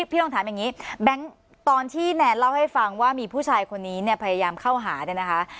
พี่ลองถามอย่างนี้แบงค์ตอนที่แนนเล่าให้ฟังว่ามีผู้ชายคนนี้เนี่ยพยายามเข้าหาเนี่ยนะคะ